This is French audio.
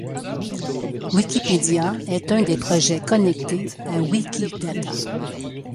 Wikipédia est un des projets connectés à Wikidata.